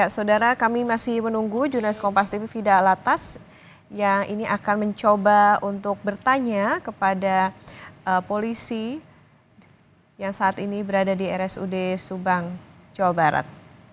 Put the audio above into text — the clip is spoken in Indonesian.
saudara kami masih menunggu jurnalis kompas tv fidalatas yang ini akan mencoba untuk bertanya kepada polisi yang saat ini berada di rsud subang jawa barat